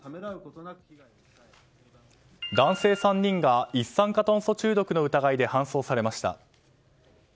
男性３人が一酸化炭素中毒の疑いで搬送されました。